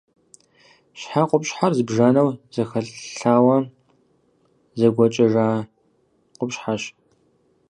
Щхьэ къупщхьэр зыбжанэу зэхэлъауэ, зэгуэкӏэжа къупщхьэщ.